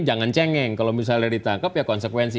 jangan cengeng kalau misalnya ditangkap ya konsekuensi